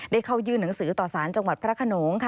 เข้ายื่นหนังสือต่อสารจังหวัดพระขนง